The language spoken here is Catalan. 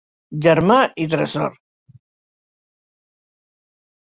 Germà i tresor.